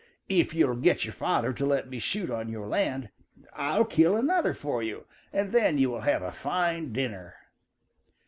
If you'll get your father to let me shoot on your land, I'll kill another for you, and then you will have a fine dinner."